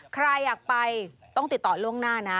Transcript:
ใครอยากไปต้องติดต่อล่วงหน้านะ